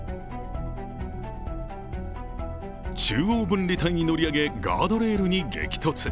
中央分離帯に乗り上げ、ガードレールに激突。